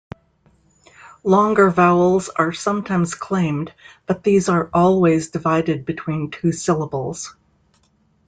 Longer vowels are sometimes claimed, but these are always divided between two syllables.